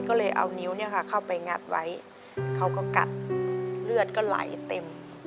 ก็เลยเอานิ้วเข้าไปงัดไว้เขาก็กัดเลือดก็ไหลเต็ม